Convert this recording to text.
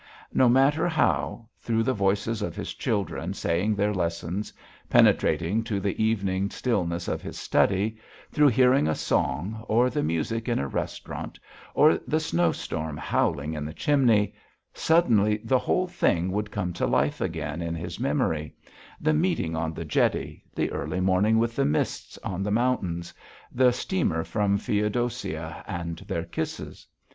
No matter how, through the voices of his children saying their lessons, penetrating to the evening stillness of his study, through hearing a song, or the music in a restaurant, or the snow storm howling in the chimney, suddenly the whole thing would come to life again in his memory: the meeting on the jetty, the early morning with the mists on the mountains, the steamer from Feodossia and their kisses.